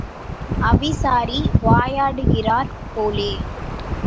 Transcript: அவிசாரி வாயாடுகிறாற் போலே.